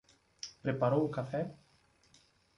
Preparou o café?